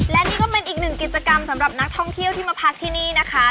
และนี่ก็เป็นอีกหนึ่งกิจกรรมสำหรับนักท่องเที่ยวที่มาพักที่นี่นะคะ